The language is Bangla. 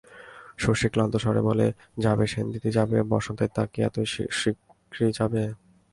শশী ক্লান্তস্বরে বলে, যাবে সেনদিদি যাবে, বসন্তের দাগ কি এত শিগগির যায়?